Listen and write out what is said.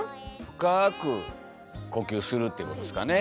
深く呼吸するってことですかね。